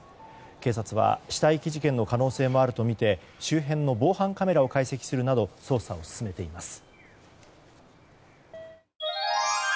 警察は、死体遺棄事件の可能性もあるとみて周辺の防犯カメラを解析するなど捜査を進めています。